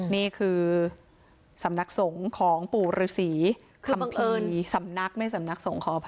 นี่คือสำนักสงของปรุษรศีร์คมภีร์สำนักไม่สำนักสงขออภัย